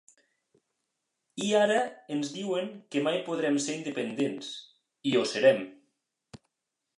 I ara ens diuen que mai podrem ser independents i ho serem.